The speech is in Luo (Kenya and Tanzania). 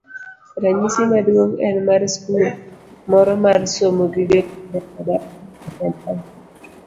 Ranyisi maduong' en mar skul moro mar somo gige lwedo e dala mar Mombasa.